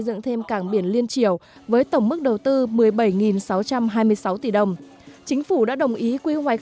dựng thêm cảng biển liên triều với tổng mức đầu tư một mươi bảy sáu trăm hai mươi sáu tỷ đồng chính phủ đã đồng ý quy hoạch